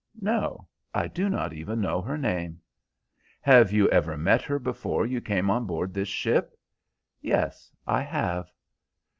"No, I do not even know her name." "Have you ever met her before you came on board this ship?" "Yes, I have."